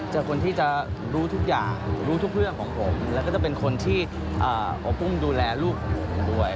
คนที่จะรู้ทุกอย่างรู้ทุกเรื่องของผมแล้วก็จะเป็นคนที่อบอุ้มดูแลลูกของผมด้วย